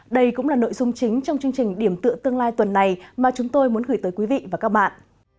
đây cũng là nội dung chính trong chương trình điểm tựa tương lai tuần này mà chúng tôi muốn gửi tới quý vị và các bạn